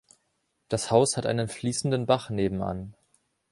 Das Haus hat einen fließenden Bach nebenan.